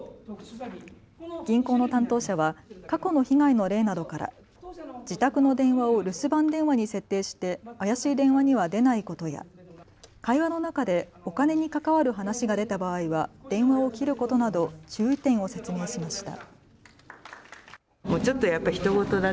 銀行の担当者は過去の被害の例などから自宅の電話を留守番電話に設定して怪しい電話には出ないことや、会話の中でお金に関わる話が出た場合は電話を切ることなど注意点を説明しました。